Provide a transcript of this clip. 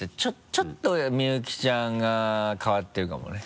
ちょっと三由紀ちゃんが変わってるかもね。